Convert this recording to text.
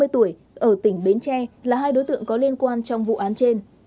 ba mươi tuổi ở tỉnh bến tre là hai đối tượng có liên quan trong vụ án trên